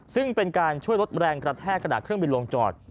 ซึ่งเป็นการช่วยลดแรงกระแทกกระดาษเครื่องบินลงจอด